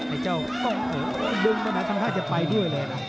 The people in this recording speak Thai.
ไอ้เจ้ากล้องมือดึงตอนนั้นทำท่าจะไปด้วยเลยน่ะ